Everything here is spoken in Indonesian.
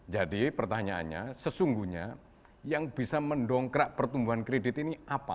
jadi pertanyaannya sesungguhnya yang bisa mendongkrak pertumbuhan kredit ini apa